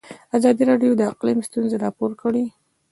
ازادي راډیو د اقلیم ستونزې راپور کړي.